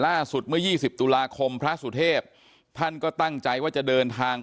ล่าสุดเมื่อ๒๐ตุลาคมพระสุเทพท่านก็ตั้งใจว่าจะเดินทาง